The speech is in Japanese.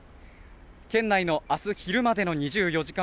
県内の明日昼までの２４時間